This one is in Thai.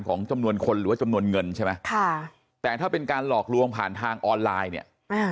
ของจำนวนคนหรือว่าจำนวนเงินใช่ไหมค่ะแต่ถ้าเป็นการหลอกลวงผ่านทางออนไลน์เนี่ยอ่า